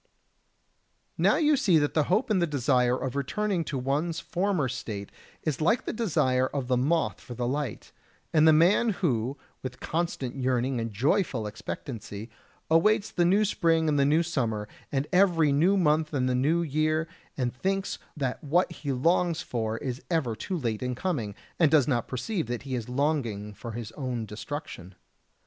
Now you see that the hope and the desire of returning home to one's former state is like the desire of the moth for the light, and the man who, with constant yearning and joyful expectancy, awaits the new spring and the new summer, and every new month and the new year, and thinks that what he longs for is ever too late in coming, and does not perceive that he is longing for his own destruction.